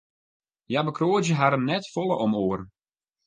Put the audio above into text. Hja bekroadzje harren net folle om oaren.